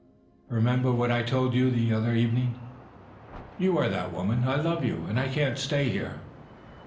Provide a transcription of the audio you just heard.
" Kemember what I told you the other evening. You are that woman. .. I love you, and I can't stay here."